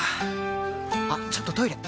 あっちょっとトイレ！